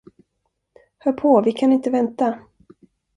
Hör på, vi kan inte vänta.